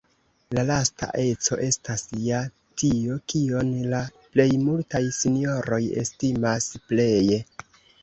La lasta eco estas ja tio, kion la plej multaj sinjoroj estimas pleje.